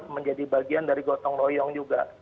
menjadi bagian dari gotong royong juga